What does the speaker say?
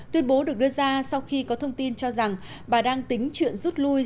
tuyên bố được đưa ra sau khi có thông tin cho rằng bà đang tính chuyện rút lui